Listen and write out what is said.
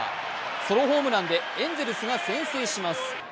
ソロホームランで、エンゼルスが先制します。